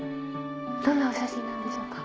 どんなお写真なんでしょうか？